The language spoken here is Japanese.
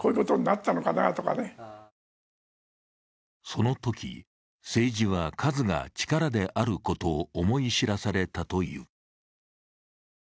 そのとき、政治は数が力であることを思い知らされたという。